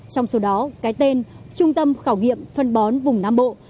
trong số đó cái tên trung tâm khảo nghiệm phân bón vùng nam bộ